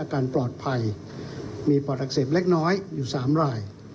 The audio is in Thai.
การปลอดภัยมีปอดอักเสบเล็กน้อยอยู่๓ราย